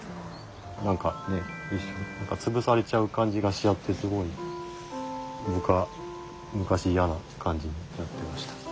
何かね潰されちゃう感じがしちゃってすごい僕は昔嫌な感じになってました。